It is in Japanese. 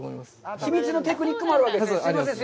秘密のテクニックもあるわけですね？